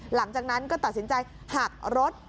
หลังจากนั้นก็ตัดสินใจหักรถ